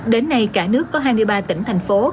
đến nay cả nước có hai mươi ba tỉnh thành phố